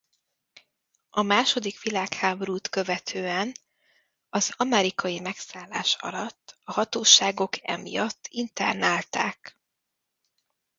A második világháborút követően az amerikai megszállás alatt a hatóságok emiatt internálták.